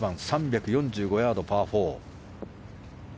１８番、３４５ヤードのパー４。